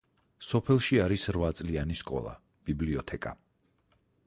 სოფელში არის რვაწლიანი სკოლა, ბიბლიოთეკა.